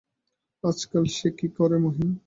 আজকাল সে কী করে, মহিন।